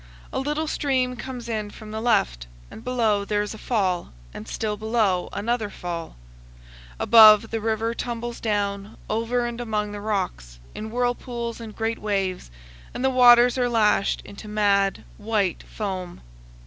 A little stream comes in from the left, and below there is a fall, and still below another fall. Above, the river tumbles down, over and among the rocks, in whirlpools and great waves, and the waters are lashed into mad, white foam.